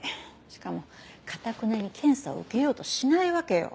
しかもかたくなに検査を受けようとしないわけよ。